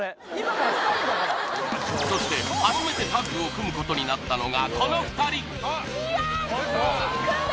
そして初めてタッグを組むことになったのがこの２人いや